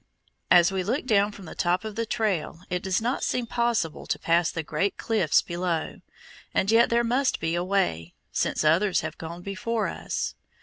As we look down from the top of the trail it does not seem possible to pass the great cliffs below, and yet there must be a way, since others have gone before us.